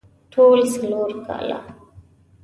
ټول څلور کاله